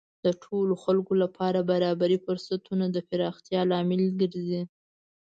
د ټولو خلکو لپاره برابرې فرصتونه د پراختیا لامل ګرځي.